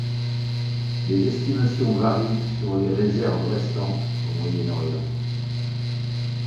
Les estimations varient sur les réserves restantes au Moyen-Orient.